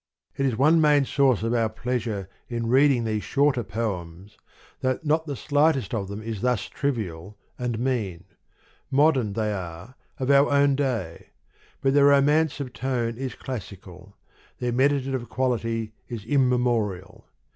It is one main source of our pleas ure in reading these Shorter Foems, that not the slightest of them is thus trivial and mean : modern they are, of our own day ; but their romance of tone is classical, their meditative quality is immemorial.